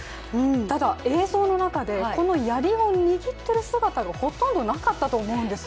ただ映像の中で、このやりを握ってる姿がほとんどなかったと思うんです。